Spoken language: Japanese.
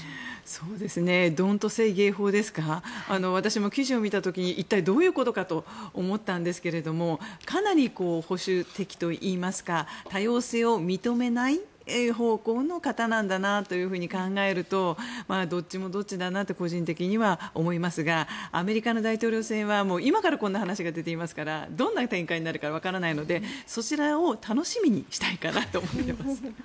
そうですねドント・セイ・ゲイ法ですか私も記事を見た時に一体どういうことかと思ったんですがかなり保守的といいますか多様性を認めない方向の方なんだなと考えるとどっちもどっちだなって個人的には思いますがアメリカの大統領選は今からこんな話が出ていますがどんな展開になるかわからないのでそちらを楽しみにしたいかなと思います。